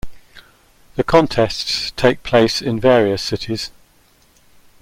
The contests take place in various cities.